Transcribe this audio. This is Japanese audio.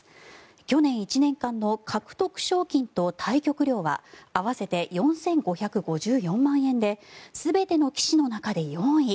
去年１年間の獲得賞金と対局料は合わせて４５５４万円で全ての棋士の中で４位。